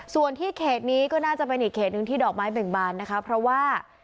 ส่วนที่เขตนี้ก็น่าจะเป็นอีกเขตหนึ่งที่ดอกไม้เบ่งบานนะคะเพราะว่า